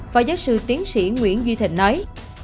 phó giáo sư tiến sĩ nguyễn duy thịnh nói